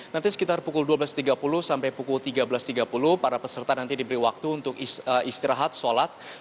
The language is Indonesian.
nanti sekitar pukul dua belas tiga puluh sampai pukul tiga belas tiga puluh para peserta nanti diberi waktu untuk istirahat sholat